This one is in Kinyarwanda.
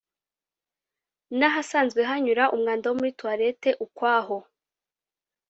n’ahasanzwe hanyura umwanda wo muri toilette ukwaho